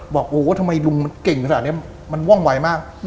บอกโอ้ทำไมลุงมันเก่งขนาดนี้มันว่องไวมาก